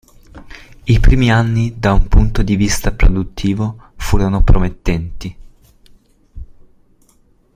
I primi anni, da un punto di vista produttivo, furono promettenti.